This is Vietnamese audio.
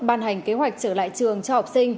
ban hành kế hoạch trở lại trường cho học sinh